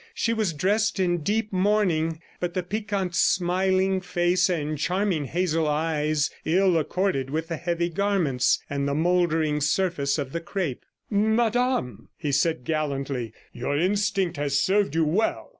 She was dressed in deep mourning, but the piquant smiling face and charming hazel eyes ill accorded with the heavy garments and the mouldering surface of the crape. 'Madam,' he said gallantly, 'your instinct has served you well.